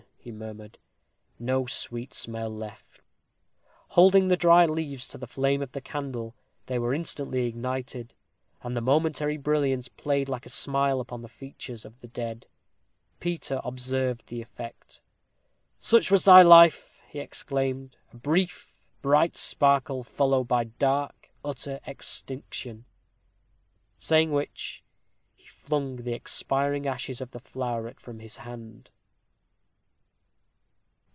he murmured. "No sweet smell left but faugh!" Holding the dry leaves to the flame of the candle, they were instantly ignited, and the momentary brilliance played like a smile upon the features of the dead. Peter observed the effect. "Such was thy life," he exclaimed; "a brief, bright sparkle, followed by dark, utter extinction!" Saying which, he flung the expiring ashes of the floweret from his hand.